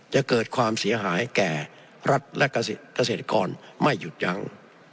จะเกิดความเสียหายแก่รัฐและเกษตรกรไม่หยุดยั้ง